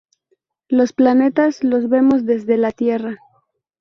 Los planetas los vemos desde la Tierra.